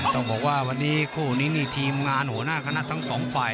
ต้องบอกว่าวันนี้คู่นี้นี่ทีมงานหัวหน้าคณะทั้งสองฝ่าย